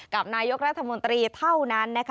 กับนายกรัฐมนตรีเท่านั้นนะคะ